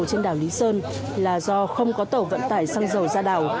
trên đảo lý sơn là do không có tàu vận tải xăng dầu ra đảo